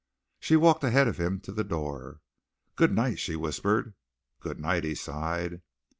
She walked ahead of him to the door. "Good night," she whispered. "Good night," he sighed.